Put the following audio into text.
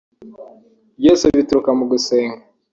Byose bituruka mu gusenga